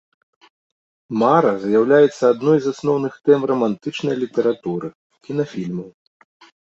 Мара з'яўляецца адной з асноўных тэм рамантычнай літаратуры, кінафільмаў.